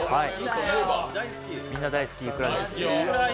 みんな大好き、いくらです。